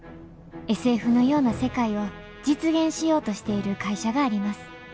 ＳＦのような世界を実現しようとしている会社があります